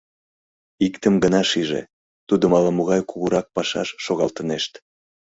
Иктым гына шиже: тудым ала-могай кугурак пашаш шогалтынешт.